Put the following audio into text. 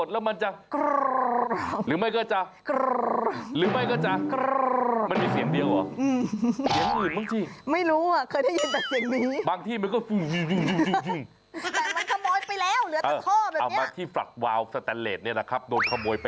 แล้วไปขโมยอะไรในห้องน้ำอย่าบอกนะ